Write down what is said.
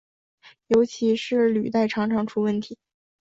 尤其是履带常常出问题。